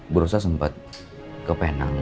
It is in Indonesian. berosa sempat ke penang